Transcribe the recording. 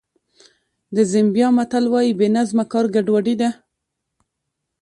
د زیمبیا متل وایي بې نظمه کار ګډوډي ده.